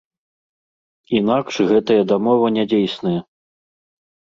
Інакш гэтая дамова нядзейсная.